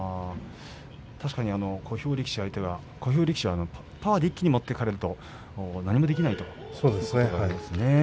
確かに小兵力士相手は小兵力士、パワーで一気に持っていかれると何もできないということがありますね。